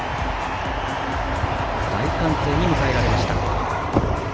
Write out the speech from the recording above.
大歓声に迎えられました。